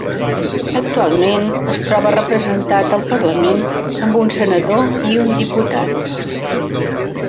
Actualment es troba representat al Parlament amb un senador i un diputat.